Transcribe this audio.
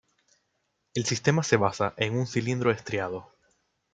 El sistema se basa en un cilindro estriado.